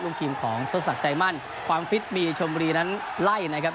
ลูกทีมของทดศักดิ์ใจมั่นความฟิตมีชมบุรีนั้นไล่นะครับ